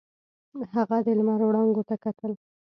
هغه د لمر وړانګو ته کتل.